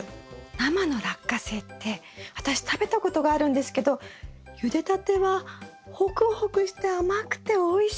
生のラッカセイって私食べたことがあるんですけどゆでたてはホクホクして甘くておいしいですよね。